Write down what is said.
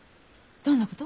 どんなこと？